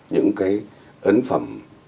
những cái ấn phẩm